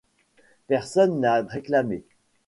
Personne n'a réclamé.